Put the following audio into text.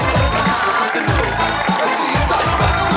วันนี้นะคะรถมหาสนุกโด